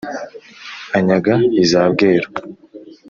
anyaga iza bweru,